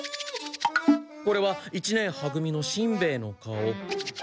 これは一年は組のしんべヱの顔。